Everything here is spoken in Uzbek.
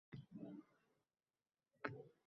Xo`sh, bunday vaziyatda rad javobini tezda berasizmi